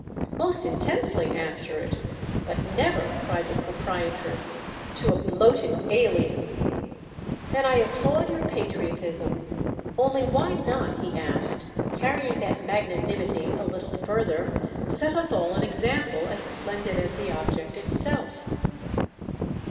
"Most intensely after it. But never," cried the proprietress, "to a bloated alien!" "Then I applaud your patriotism. Only why not," he asked, "carrying that magnanimity a little further, set us all an example as splendid as the object itself?"